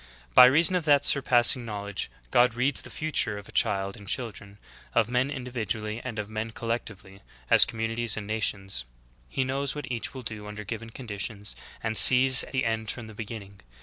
By reason of that surpassing knowledge, God reads the future of child and children, of men individually and of men collect ively as communities and nations ; He knows what each will do under given conditions, and sees the end from the be ginning.